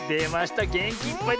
げんきいっぱいですね！